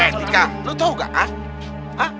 eh tika lo tau gak ha